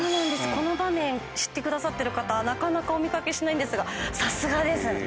この場面知ってくださってる方なかなかお見掛けしないんですがさすがです！